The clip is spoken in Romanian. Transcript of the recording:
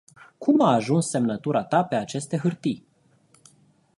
Cum a ajuns semnatura ta pe aceste hartii?